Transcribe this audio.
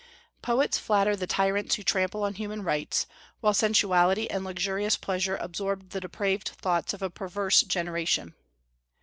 Poets flatter the tyrants who trample on human rights, while sensuality and luxurious pleasure absorb the depraved thoughts of a perverse generation.